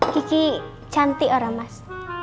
kiki cantik orang mas